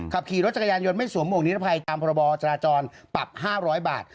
ขับขี่รถจักรยานยนต์ไม่สวมหวกนิรภัยตามพรบจราจรปรับ๕๐๐บาท